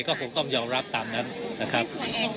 ก็คงต้องยอมรับตามนั้นนะครับ